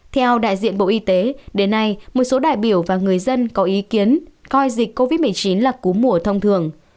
theo đại diện bộ y tế đến nay một số đại biểu và người dân có ý kiến coi dịch covid một mươi chín là cú mùa thông thường